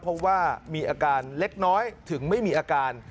เพราะว่ามีอาการเล็กน้อยถึงไม่มีอาการ